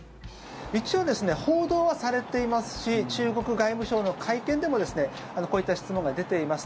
一応報道はされていますし中国外務省の会見でもこういった質問が出ています。